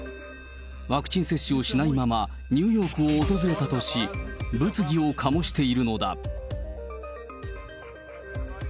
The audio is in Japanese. ワクチン接種をしないままニューヨークを訪れたとし、物議を醸しているのだ。